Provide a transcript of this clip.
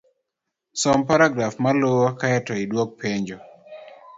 Som paragraf maluwo, kae to idwok penjo